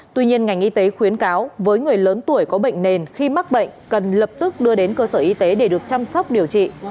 tuy nhiên ngành y tế khuyến cáo với người lớn tuổi có bệnh nền khi mắc bệnh cần lập tức đưa đến cơ sở y tế để được chăm sóc điều trị